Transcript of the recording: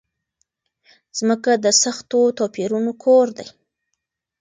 ځمکه د سختو توپيرونو کور دی.